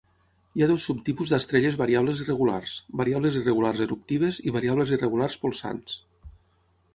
Hi ha dos subtipus d'estrelles variables irregulars: variables irregulars eruptives i variables irregulars polsants.